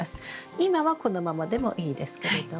今はこのままでもいいですけれども。